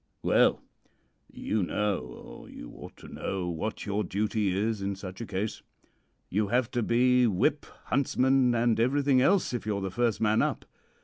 "Well, you know, or you ought to know, what your duty is in such a case. You have to be whip, huntsman, and everything else if you are the first man up.